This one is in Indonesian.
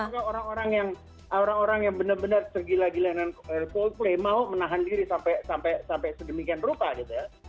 mungkin orang orang yang benar benar segila gila dengan coldplay mau menahan diri sampai sedemikian berupa gitu ya